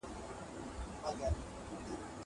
زه پرون ليکلي پاڼي ترتيب کوم!!